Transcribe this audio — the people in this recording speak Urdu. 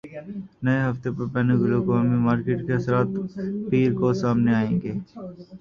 نئے ہفتے پر بین الاقوامی مارکیٹ کے اثرات پیر کو سامنے آئیں گے